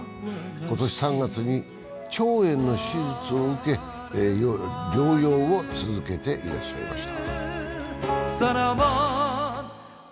今年３月に腸炎の手術を受け療養を続けていらっしゃいました。